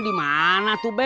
di mana tuh be